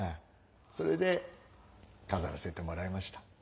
それで飾らせてもらいました。